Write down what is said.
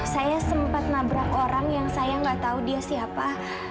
saya sempat nabrak orang yang saya nggak tahu dia siapa